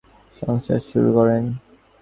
চরপাড়া এলাকায় বাবার সম্পত্তিতে সংসার শুরু করেন।